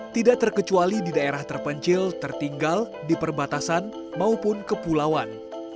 tidak terkecuali di daerah terpencil tertinggal di perbatasan maupun kepulauan